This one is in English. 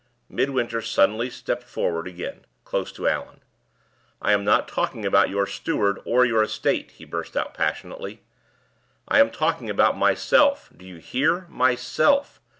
Midwinter suddenly stepped forward again, close to Allan. "I am not talking about your steward or your estate," he burst out passionately; "I am talking about myself. Do you hear? Myself!